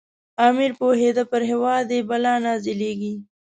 امیر پوهېدی پر هیواد یې بلا نازلیږي.